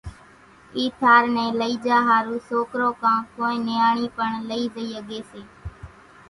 اِي ٿار نين لئِي جھا ۿارُو سوڪرو ڪان ڪونئين نياڻي پڻ لئي زئي ۿڳي سي